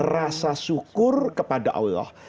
rasa syukur kepada allah